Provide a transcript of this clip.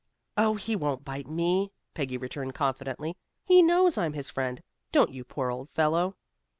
"Oh, he won't bite me," Peggy returned confidently. "He knows I'm his friend, don't you, poor old fellow?"